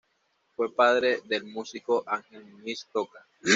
Fue padre del músico Ángel Muñiz Toca.